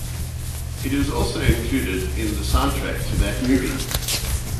It is also included in the soundtrack to that movie.